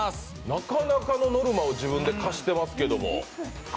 なかなかのノルマを自分で課してますけど。